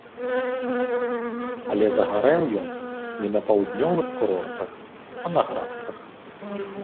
Але загарэў ён не на паўднёвых курортах, а на градках!